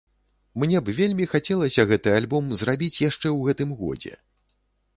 Мне б вельмі хацелася гэты альбом зрабіць яшчэ ў гэтым годзе.